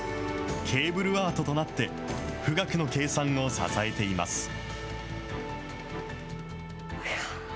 ケーブルアートとなって、富岳の計算を支えています。